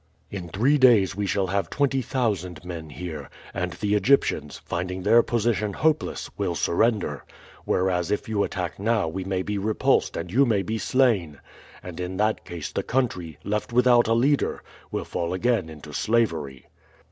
"In three days we shall have twenty thousand men here, and the Egyptians, finding their position hopeless, will surrender; whereas if you attack now we may be repulsed and you may be slain, and in that case the country, left without a leader, will fall again into slavery."